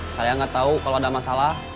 saya nggak tahu kalau ada masalah